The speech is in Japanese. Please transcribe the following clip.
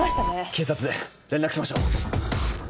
警察連絡しましょう。